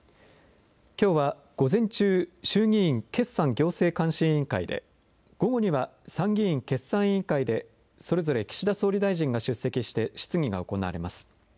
きょうは午前中、衆議院決算行政監視委員会で、午後には参議院決算委員会で、それぞれ岸田総理大臣が出席して、質疑が行われます。